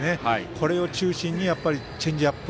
これを中心にチェンジアップ。